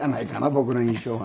僕の印象が。